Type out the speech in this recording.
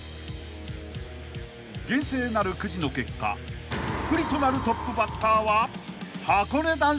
［厳正なるくじの結果不利となるトップバッターは］